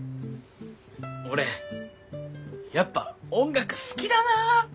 俺やっぱ音楽好きだなあって。